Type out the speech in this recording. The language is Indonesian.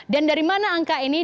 dan dari mana angka ini